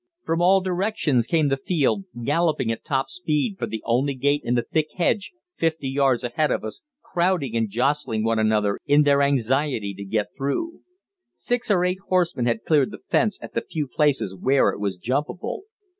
From all directions came the field, galloping at top speed for the only gate in the thick hedge, fifty yards ahead of us, crowding and jostling one another in their anxiety to get through. Six or eight horsemen had cleared the fence at the few places where it was jumpable.